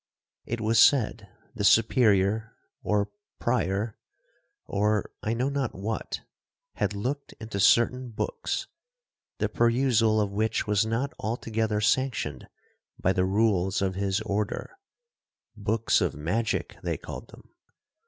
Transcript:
It was said the Superior, or Prior, or—I know not what—had looked into certain books, the perusal of which was not altogether sanctioned by the rules of his order—books of magic they called them.